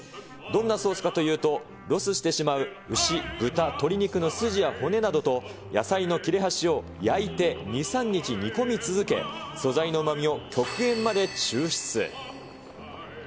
どんなソースかというと、ロスしてしまう牛、豚、鶏肉のスジや骨などと野菜の切れ端を焼いて２、３日煮込み続け、素材のうまみを極限まで抽出。